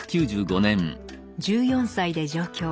１４歳で上京。